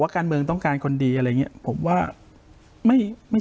การเมืองต้องการคนดีอะไรอย่างเงี้ยผมว่าไม่ไม่